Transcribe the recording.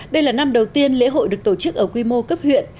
đây là năm đầu tiên lễ hội được tổ chức ở quy mô cấp huyện